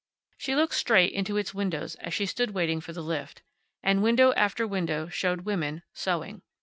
She looked straight into its windows as she stood waiting for the lift. And window after window showed women, sewing.